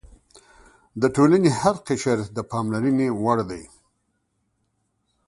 د ټولنې هر قشر د پاملرنې وړ دی.